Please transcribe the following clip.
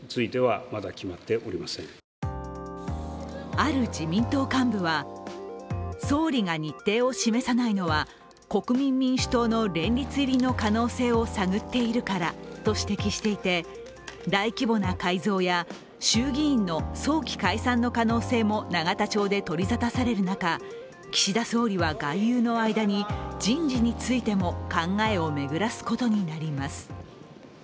ある自民党幹部は、総理が日程を示さないのは国民民主党の連立入りの可能性を探っているからと指摘していて大規模な改造や衆議院の早期解散の可能性も永田町で取りざたされる中、岸田総理は外遊の間に人事についても考えを巡らすことになります。